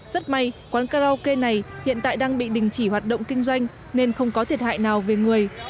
rất may quán karaoke này hiện tại đang bị đình chỉ hoạt động kinh doanh nên không có thiệt hại nào về người